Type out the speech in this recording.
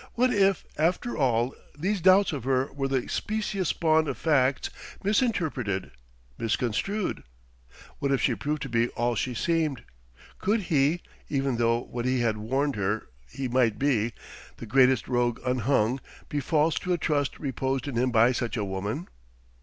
What if, after all, these doubts of her were the specious spawn of facts misinterpreted, misconstrued? What if she proved to be all she seemed? Could he, even though what he had warned her he might be, the greatest rogue unhung, be false to a trust reposed in him by such a woman?